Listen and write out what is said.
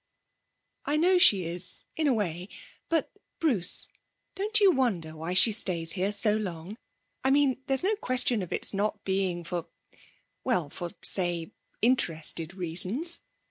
'I know she is, in a way; but, Bruce, don't you wonder why she stays here so long? I mean, there's no question of its not being for well, for, say, interested reasons.